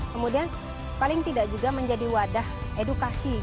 kemudian paling tidak juga menjadi wadah edukasi